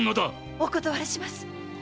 お断りします。